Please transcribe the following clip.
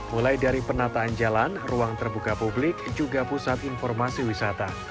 mulai dari penataan jalan ruang terbuka publik juga pusat informasi wisata